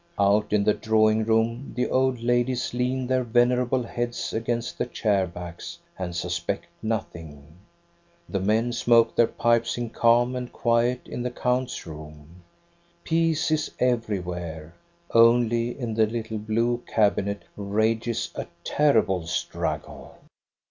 Out in the drawing room the old ladies lean their venerable heads against the chair backs and suspect nothing; the men smoke their pipes in calm and quiet in the count's room; peace is everywhere; only in the little blue cabinet rages a terrible struggle.